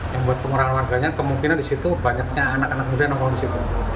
yang membuat pengurangan warganya kemungkinan disitu banyaknya anak anak muda yang mau disitu